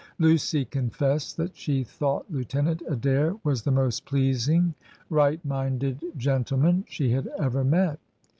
Lucy confessed that she thought Lieutenant Adair was the most pleasing, right minded gentleman she had ever met.